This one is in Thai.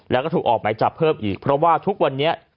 แล้วก็ถูกออกไหมจับเพิ่มอีกเพราะว่าทุกวันนี้